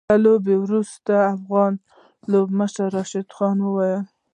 له لوبې وروسته افغان لوبډلمشر راشد خان وويل